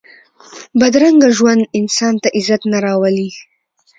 بدرنګه ژوند انسان ته عزت نه راولي